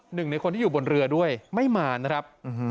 หนึ่งในคนที่อยู่บนเรือด้วยไม่มานะครับ